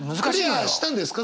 クリアしたんですか？